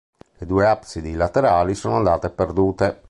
Le due absidi laterali sono andate perdute.